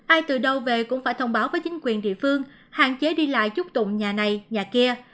ai từ đâu về cũng phải thông báo với chính quyền địa phương hạn chế đi lại chút tụng nhà này nhà kia